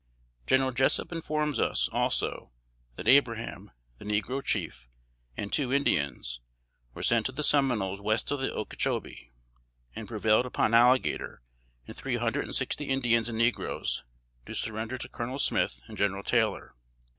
General Jessup informs us, also, that Abraham, the negro chief, and two Indians, were sent to the Seminoles west of the Okechobee, and prevailed upon Alligator, and three hundred and sixty Indians and negroes, to surrender to Colonel Smith and General Taylor.